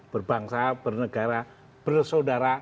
berbangsa bernegara bersaudara